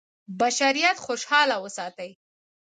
بشریت خوشاله وساتي.